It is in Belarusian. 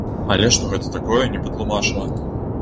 Але што гэта такое, не патлумачыла.